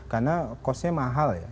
karena kosnya mahal ya